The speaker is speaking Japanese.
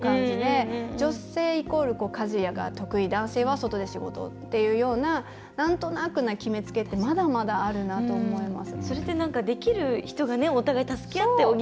女性イコール家事が得意男性は外で仕事というようななんとなく決めつけってまだまだあるなと思います。